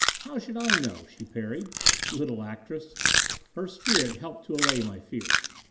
"How should I know?" she parried. Little actress! Her spirit helped to allay my fear.